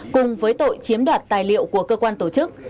cùng với tội chiếm đoạt tài liệu của cơ quan tổ chức